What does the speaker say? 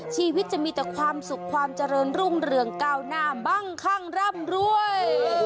ชีวิตจะมีแต่ความสุขความเจริญรุ่งเรืองก้าวหน้ามั่งคั่งร่ำรวย